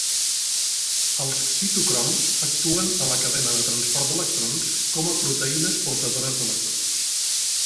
Els citocroms actuen a la cadena de transport d'electrons com a proteïnes portadores d'electrons.